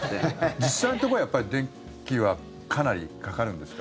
実際のところは、やっぱり電気はかなりかかるんですか？